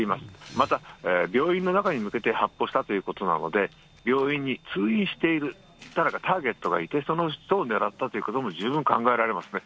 また病院の中に向けて発砲したということなので、病院に通院している誰かターゲットがいて、その人を狙ったということも十分考えられますね。